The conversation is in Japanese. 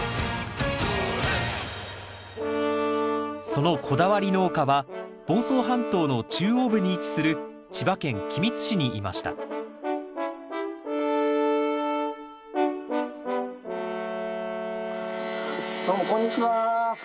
そのこだわり農家は房総半島の中央部に位置する千葉県君津市にいましたどうもこんにちは。